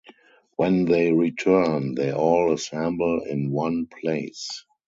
When they return, they all assemble in one place.